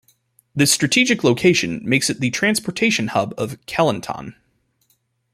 This strategic location makes it the transportation hub of Kelantan.